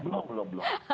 belum belum belum